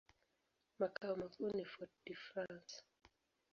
Makao makuu ni Fort-de-France.